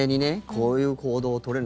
こういう行動を取れる